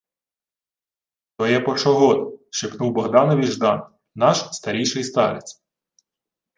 — То є Пошогод, — шепнув Богданові Ждан. — Наш старійший старець.